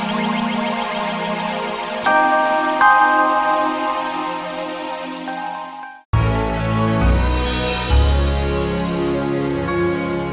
sampai jumpa lagi